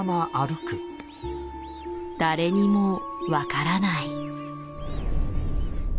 誰にも分からない。